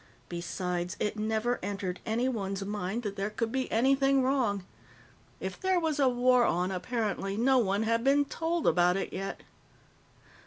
Besides, it never entered anyone's mind that there could be anything wrong. If there was a war on, apparently no one had been told about it yet.